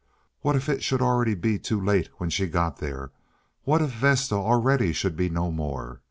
What if it should already be too late when she got there; what if Vesta already should be no more.